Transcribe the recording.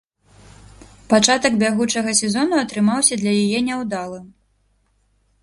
Пачатак бягучага сезону атрымаўся для яе няўдалым.